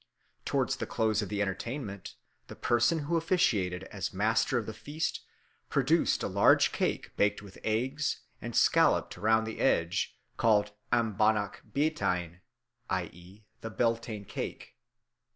Towards the close of the entertainment, the person who officiated as master of the feast produced a large cake baked with eggs and scalloped round the edge, called am bonnach bea tine i.e., the Beltane cake.